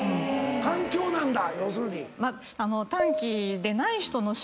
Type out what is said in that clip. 環境なんだ要するに。